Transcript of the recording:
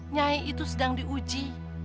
nyai itu sedang diuji